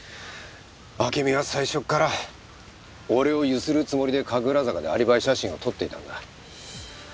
暁美は最初から俺をゆするつもりで神楽坂でアリバイ写真を撮っていたんだ。